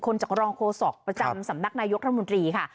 คือคนจักรรองโครสอกประจำสำนักนายุทธรรมดีค่ะ